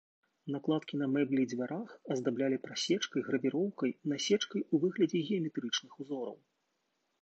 Накладкі на мэблі і дзвярах аздаблялі прасечкай, гравіроўкай, насечкай у выглядзе геаметрычных узораў.